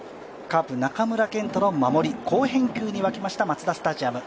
カープ・中村健人の守り、好返球に沸きましたマツダスタジアム。